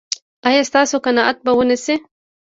ایا ستاسو قناعت به و نه شي؟